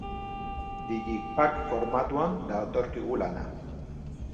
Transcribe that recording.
Digipack formatuan datorkigu lana.